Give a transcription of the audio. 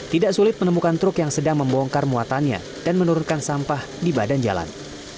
tidak sulit menemukan truk yang sedang membongkar muatannya dan menurunkan sampah di badan jalan